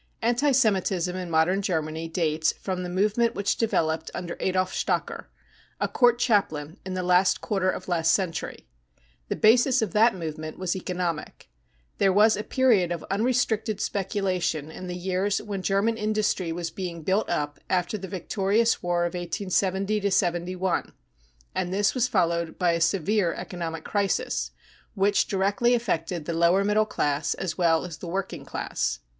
Anti Semitism in modern Germany dates from the movement which developed under Adolf Stocker, a court chaplain, in the last quarter of last century. The basis of that movement was economic. There was a period ojp&mrestricted speculation in the years when German industry was being built up after the victorious war of 70 71, and this was followed by a severe economic crisis which directly affected the lower middle class as well as the 230 BROWN BOOK OF THE HITLER TERROR working class.